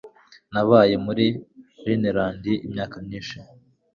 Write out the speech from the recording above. Nabaye muri Rhineland imyaka myinshi.